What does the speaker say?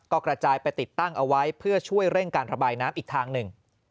ก็กระจายไปติดตั้งเอาไว้เพื่อช่วยเร่งการระบายน้ำอีกทางหนึ่ง